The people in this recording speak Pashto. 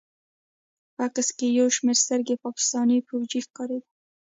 په عکس کښې يو شين سترګى پاکستاني فوجي ښکارېده.